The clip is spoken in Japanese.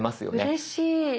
うれしい。